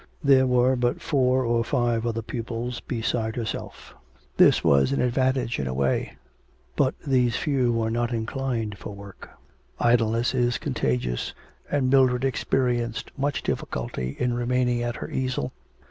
There were but four or five other pupils beside herself; this was an advantage in a way, but these few were not inclined for work; idleness is contagious, and Mildred experienced much difficulty in remaining at her easel.